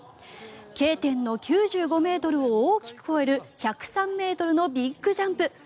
Ｋ点の９５ｍを大きく超える１０３ｍのビッグジャンプ。